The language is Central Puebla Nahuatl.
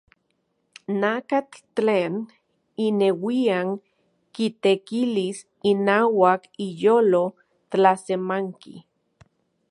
Nakatl tlen ineuian kitekilis inauak iyolo tlasemanki.